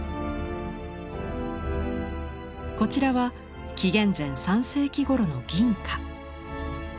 こちらは紀元前３世紀ごろの銀貨。